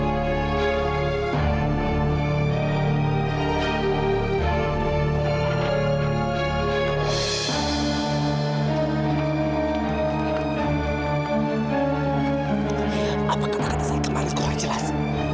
apa kata kata saya kemarin kurang jelas